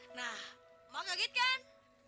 nah emang kaget kan